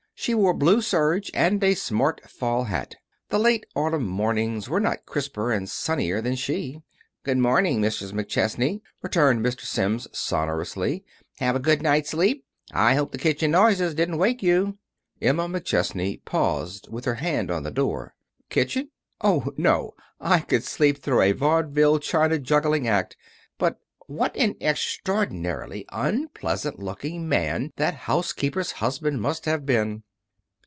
She wore blue serge, and a smart fall hat. The late autumn morning was not crisper and sunnier than she. "Good morning, Mrs. McChesney," returned Mr. Sims, sonorously. "Have a good night's sleep? I hope the kitchen noises didn't wake you." Emma McChesney paused with her hand on the door. "Kitchen? Oh, no. I could sleep through a vaudeville china juggling act. But what an extraordinarily unpleasant looking man that housekeeper's husband must have been."